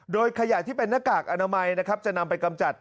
โดยขยะที่เป็นหน้ากากอนามัยนะครับจะนำไปกำจัด